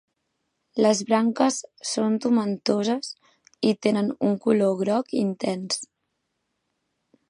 Les branques són tomentoses i tenen un color groc intens.